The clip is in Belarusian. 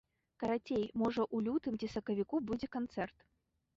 Карацей, можа ў лютым ці сакавіку будзе канцэрт.